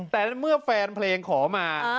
แต่เมื่อแฟนเพลงขอมา